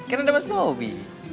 kan ada mas bobi